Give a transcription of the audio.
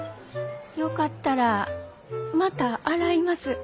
よかったらまた洗います。